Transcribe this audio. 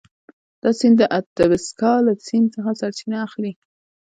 دا سیند د اتبسکا له سیند څخه سرچینه اخلي.